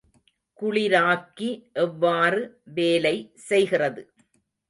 குளிராக்கி எவ்வாறு வேலை செய்கிறது?